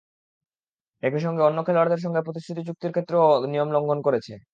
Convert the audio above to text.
একই সঙ্গে অন্য খেলোয়াড়দের সঙ্গে প্রতিশ্রুতি চুক্তির ক্ষেত্রেও নিয়ম লঙ্ঘন করেছে।